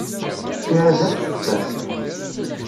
Tira d assesfer.